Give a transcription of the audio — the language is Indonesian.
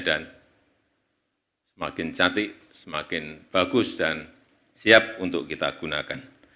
dan semakin cantik semakin bagus dan siap untuk kita gunakan